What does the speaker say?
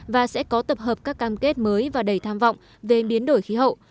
và sẽ có tập hợp các cam kết mới và đầy tham vọng về biến đổi khí hậu